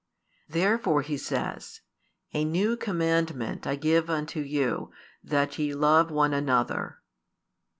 Therefore He says: A new commandment I give unto you, that ye love one another.